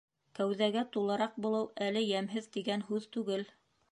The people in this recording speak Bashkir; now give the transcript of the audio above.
Кәүҙәгә тулыраҡ булыу әле йәмһеҙ тигән һүҙ түгел.